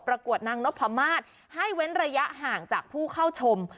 ประกวดนางนพมาศให้เว้นระยะห่างจากผู้เข้าชม